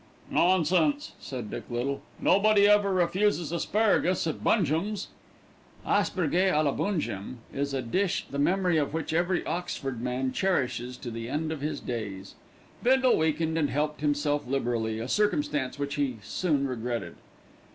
"Nonsense!" said Dick Little; "nobody ever refuses asparagus at Bungem's." Asperge à la Bungem is a dish the memory of which every Oxford man cherishes to the end of his days. Bindle weakened, and helped himself liberally, a circumstance which he soon regretted.